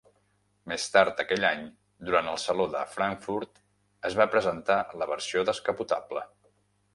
Més tard aquell any, durant el Saló de Frankfurt es va presentar la versió descapotable.